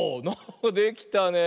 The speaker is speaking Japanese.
できたねえ。